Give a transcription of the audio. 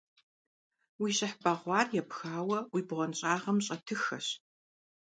Уи щыхь бэгъуар епхауэ уи бгъуэнщӀагъым щӀэтыххэщ.